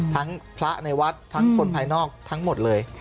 พระในวัดทั้งคนภายนอกทั้งหมดเลย